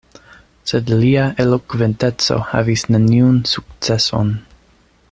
Sed lia elokventeco havis neniun sukceson.